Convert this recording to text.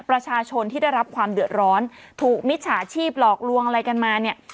ประชาชนที่ได้รับความเดือดร้อนถูกมิจฉาชีพหลอกลวงอะไรกันมาเนี่ย